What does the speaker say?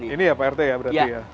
ini ya pak rt ya berarti ya